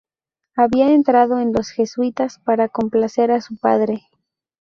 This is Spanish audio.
Había entrado en los jesuitas para complacer a su padre.